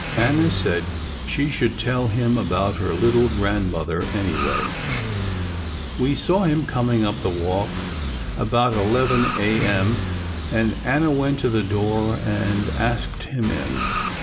Anna said she should tell him about her little Grandmother anyway. We saw him coming up the walk about 11 a.m. and Anna went to the door and asked him in.